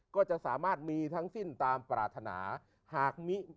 ก็จะสามารถมีทั้งสิ้นตามปรารถนาหากมี